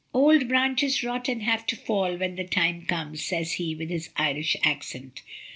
"Old branches rot and have to fall when the time comes," says he, with his Irish accent.